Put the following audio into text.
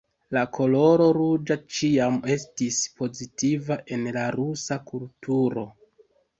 La koloro ruĝa ĉiam estis pozitiva en la rusa kulturo.